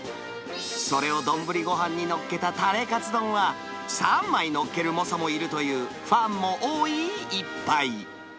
それを丼ごはんにのっけたタレかつ丼は、３枚のっける猛者もいるというファンも多い一杯。